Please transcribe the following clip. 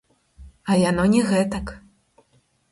А яно не гэтак.